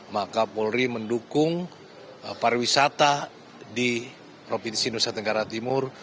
maka polri mendukung pariwisata di provinsi nusa tenggara timur